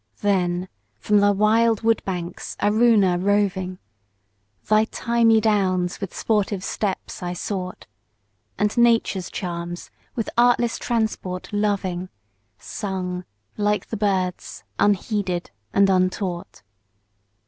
Then, from thy wild wood banks, Aruna! roving, Thy thymy downs with sportive steps I sought, And Nature's charms, with artless transport loving, Sung, like the birds, unheeded and untaught.